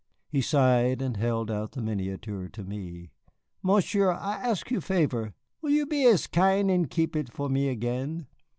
He sighed, and held out the miniature to me. "Monsieur, I esk you favor. Will you be as kin' and keep it for me again?"